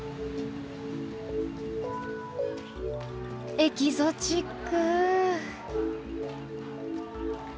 エキゾチック！